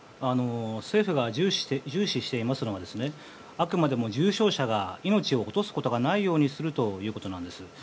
政府が重視しているのはあくまでも重症者が命を落とすことがないようにするということなんです。